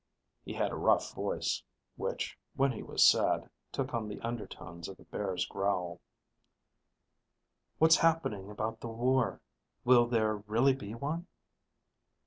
He had a rough voice, which, when he was sad, took on the undertones of a bear's growl. "What's happening about the war? Will there really be one?"